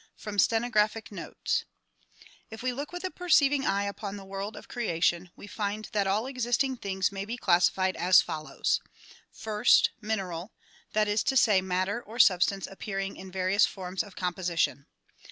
From Stenographic Notes F we look with a perceiving eye upon the world of creation, we find that all existing things may be classified as follows : First — Mineral — that is to say matter or substance appearing in various forms of composition.